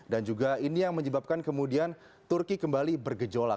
dan juga ini yang menyebabkan kemudian turki kembali bergejolak